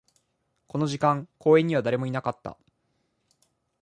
この時間、公園には誰もいなかった